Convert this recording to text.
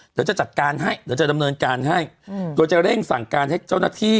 เดี๋ยวจะจัดการให้เดี๋ยวจะดำเนินการให้โดยจะเร่งสั่งการให้เจ้าหน้าที่